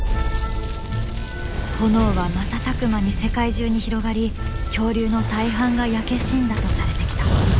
炎は瞬く間に世界中に広がり恐竜の大半が焼け死んだとされてきた。